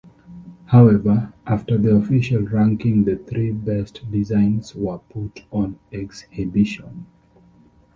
However, after the official ranking the three best designs were put on exhibition.